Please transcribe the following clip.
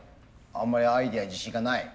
あんまりアイデアに自信がない？